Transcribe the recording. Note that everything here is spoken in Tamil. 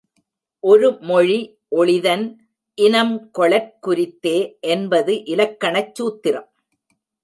ஒருமொழி ஒழிதன் இனம்கொளற் குரித்தே என்பது இலக்கணச் சூத்திரம்.